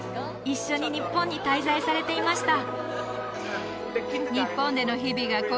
一緒に日本に滞在されていました